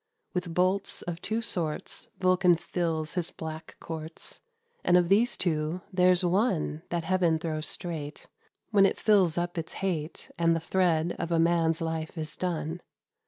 With bolts of two sorts Vulcan fills his black courts; And of these two there's one That Heaven throws straight, When it fills up its hate, And the thread of a man's life is done.